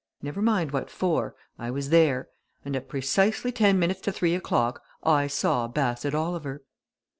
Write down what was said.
Never mind what for I was there. And at precisely ten minutes to three o'clock I saw Bassett Oliver."